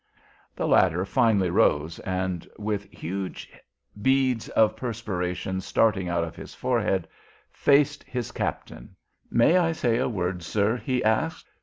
The latter finally rose, and, with huge beads of perspiration starting out on his forehead, faced his captain. "May I say a word, sir?" he asked.